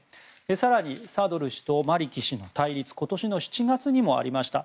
更に、サドル師とマリキ氏の対立今年の７月にもありました。